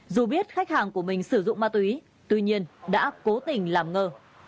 dù biết khách hàng của mình sử dụng ma túy tuy nhiên đã cố tình làm ngơ